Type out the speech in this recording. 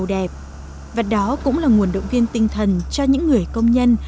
đẹp và đó cũng là nguồn động viên tinh thần cho những người công nhân